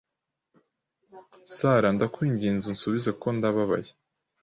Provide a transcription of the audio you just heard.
Sara, ndakwinginze unsubize kuko ndababaye